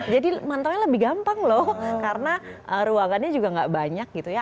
jadi mantauin lebih gampang loh karena ruangannya juga nggak banyak gitu ya